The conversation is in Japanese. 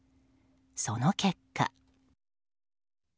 その結果。